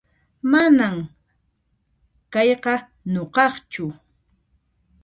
Manan kayqa nuqaqchu